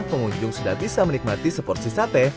pengunjung sudah bisa menikmati seporsi sate